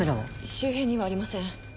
周辺にはありません。